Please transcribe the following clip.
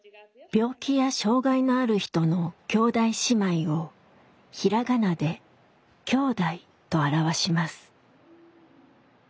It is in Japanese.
病気や障害のある人の兄弟姉妹を平仮名で「きょうだい」と表します。